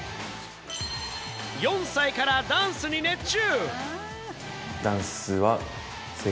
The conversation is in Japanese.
４歳からダンスに熱中！